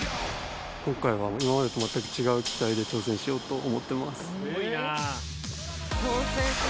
今回は今までと全く違う機体で挑戦しようと思ってます。